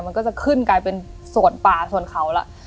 มันก็จะขึ้นกลายเป็นส่วนป่าส่วนเขาแล้ว